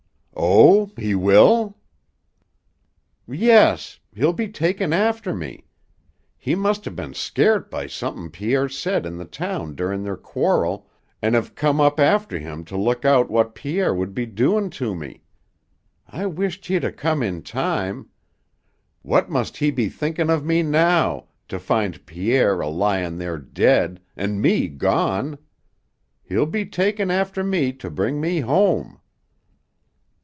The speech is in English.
"Oh, he will?" "Yes. He'll be takin' after me. He must 'a' ben scairt by somethin' Pierre said in the town durin' their quarrel an' have come up after him to look out what Pierre would be doin' to me.... I wisht he'd 'a' come in time.... What must he be thinkin' of me now, to find Pierre a lyin' there dead, an' me gone! He'll be takin' after me to bring me home."